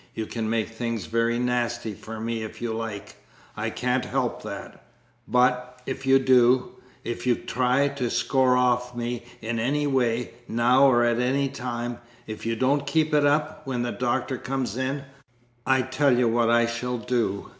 You can make things very nasty for me if you like. I can't help that but, if you do if you try to score off me in any way, now or at any time if you don't keep it up when the Doctor comes in I tell you what I shall do.